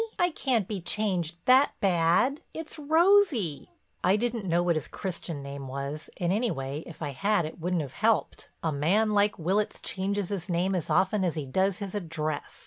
I can't be changed that bad. It's Rosie." I didn't know what his Christian name was and anyway, if I had it wouldn't have helped—a man like Willitts changes his name as often as he does his address.